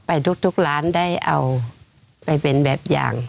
ทุกร้านได้เอาไปเป็นแบบอย่าง